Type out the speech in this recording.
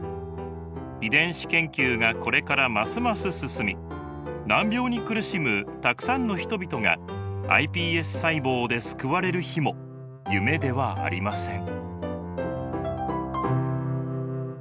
遺伝子研究がこれからますます進み難病に苦しむたくさんの人々がｉＰＳ細胞で救われる日も夢ではありません。